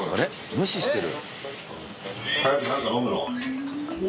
無視してる。